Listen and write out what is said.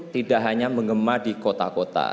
tidak hanya mengema di kota kota